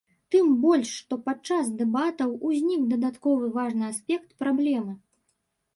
Тым больш, што падчас дэбатаў узнік дадатковы важны аспект праблемы.